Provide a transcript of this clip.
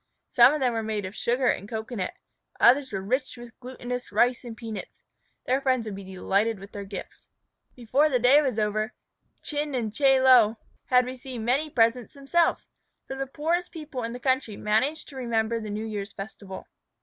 Some of them were made of sugar and cocoanut. Others were rich with glutinous rice and peanuts. Their friends would be delighted with their gifts. Before the day was over, Chin and Chie Lo had received many presents themselves, for the poorest people in the country manage to remember the New Year's festival.